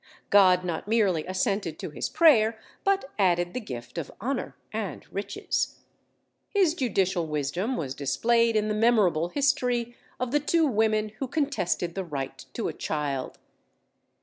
God not merely assented to his prayer, but added the gift of honor and riches. His judicial wisdom was displayed in the memorable history of the two women who contested the right to a child.